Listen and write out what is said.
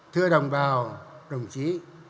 thưa đồng bào đồng chí